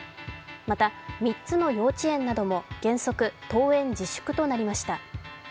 また３つの幼稚園なども原則登園自粛となりました。